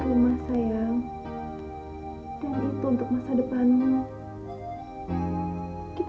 om masih mau temanan sama nisa